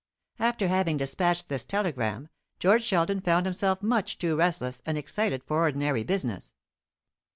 After having despatched this telegram, George Sheldon found himself much too restless and excited for ordinary business.